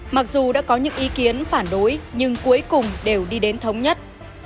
mặc dù đã có những ý kiến phản đối nhưng cuối cùng đều đi đến thống nhất